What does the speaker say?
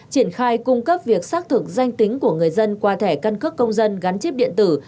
triển khai cung cấp việc xác thực danh tính của người dân qua thẻ căn cước công dân gắn chip điện tử